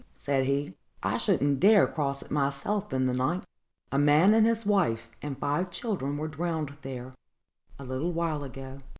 said he; "I shouldn't dare cross it myself in the night. A man and his wife, and five children, were drowned there, a little while ago."